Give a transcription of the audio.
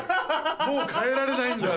もう変えられないんじゃ。